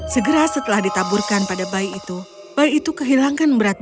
segera setelah ditaburkan pada bayi itu bayi itu kehilangan beratnya